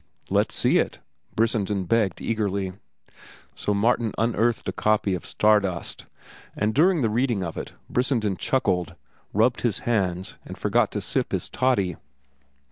"Let's see it," Brissenden begged eagerly. So Martin unearthed a carbon copy of "Star dust," and during the reading of it Brissenden chuckled, rubbed his hands, and forgot to sip his toddy.